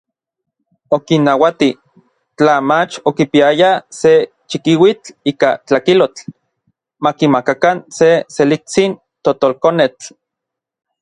Okinnauati, tla mach okipiayaj se chikiuitl ika tlakilotl, makimakakan se seliktsin totolkonetl.